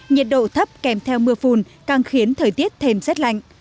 nhiệt độ thấp kèm theo mưa phùn càng khiến thời tiết thêm rét lạnh